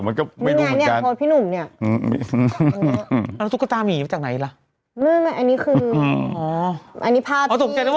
มันก็ไม่จริงเลย